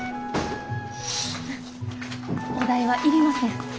お代は要りません。